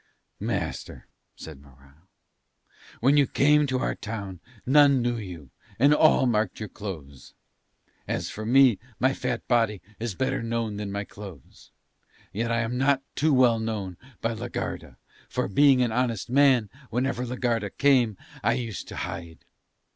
"Master," said Morano, "when you came to our town none knew you and all marked your clothes. As for me my fat body is better known than my clothes, yet am I not too well known by la Garda, for, being an honest man, whenever la Garda came I used to hide."